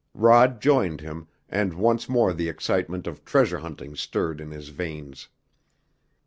Rod joined him, and once more the excitement of treasure hunting stirred in his veins.